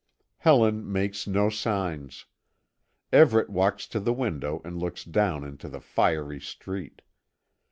Helen makes no sign. Everet walks to the window and looks down into the fiery street.